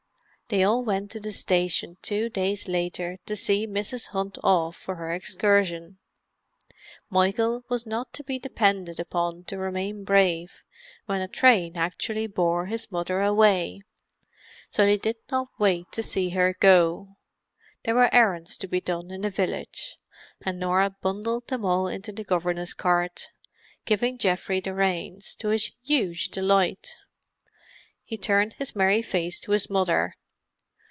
They all went to the station two days later to see Mrs. Hunt off for her excursion. Michael was not to be depended upon to remain brave when a train actually bore his mother away, so they did not wait to see her go; there were errands to be done in the village, and Norah bundled them all into the governess cart, giving Geoffrey the reins, to his huge delight. He turned his merry face to his mother.